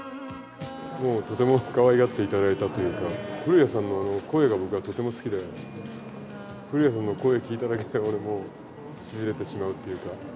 とてもかわいがっていただいたというか、古谷さんの声が僕はとても好きで、古谷さんの声聞いただけで、俺もう、しびれてしまうというか。